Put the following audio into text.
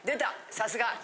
さすが。